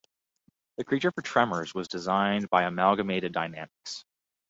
The creature for "Tremors" was designed by Amalgamated Dynamics.